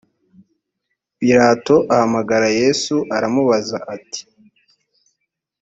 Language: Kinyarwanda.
pilato ahamagara yesu aramubaza ati